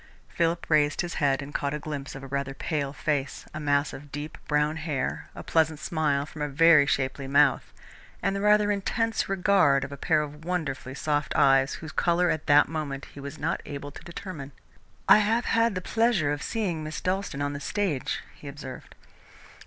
Philip raised his head and caught a glimpse of a rather pale face, a mass of deep brown hair, a pleasant smile from a very shapely mouth, and the rather intense regard of a pair of wonderfully soft eyes, whose colour at that moment he was not able to determine. "I have had the pleasure of seeing Miss Dalstan on the stage," he observed.